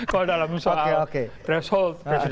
kalau dalam soal threshold